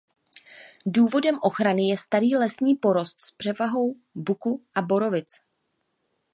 Důvodem ochrany je starý lesní porost s převahou buku a borovic.